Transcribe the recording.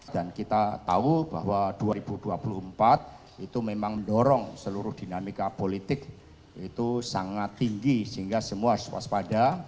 dan kita tahu bahwa dua ribu dua puluh empat itu memang mendorong seluruh dinamika politik itu sangat tinggi sehingga semua swaspada